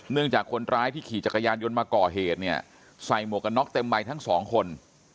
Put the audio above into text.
เนื่องจากคนร้ายที่ขี่จักรยานยนต์มาก่อเหตุใส่หมวกน็อคเต็มใบทั้งสองคน